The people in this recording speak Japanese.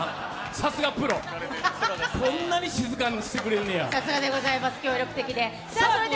さすがプロ、こんなに静かにしてくれんねや。